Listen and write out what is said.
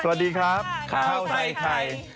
สวัสดีครับเข้าใจใคร